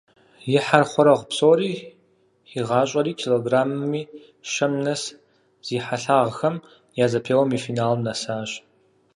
И хьэрхуэрэгъу псори хигъащӏэри, килограмми щэм нэс зи хьэлъагъхэм я зэпеуэм и финалым нэсащ.